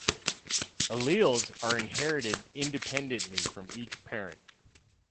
Alleles are inherited independently from each parent.